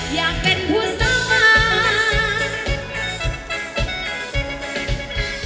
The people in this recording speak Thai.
อยากเป็นผู้สาวาด